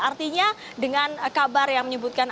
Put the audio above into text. artinya dengan kabar yang menyebutkan